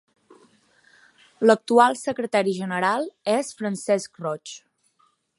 L'actual secretari general és Francesc Roig.